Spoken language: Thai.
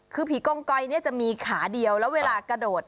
คือผีกองกอยเนี่ยจะมีขาเดียวแล้วเวลากระโดด